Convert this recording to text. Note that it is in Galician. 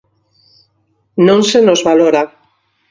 Non se nos valora.